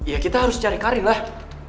ya kita harus cari cari lah